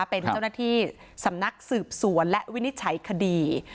เป็นเจ้าหน้าที่สำนักสืบสวนและวินิจฉัยคดี